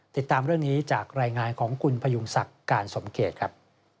ติดตามเรื่องนี้จากรายงานของคุณพยุงศักดิ์การสมเกตครับ